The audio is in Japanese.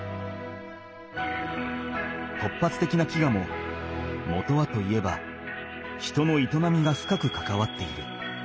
突発的な飢餓ももとはといえば人の営みが深くかかわっている。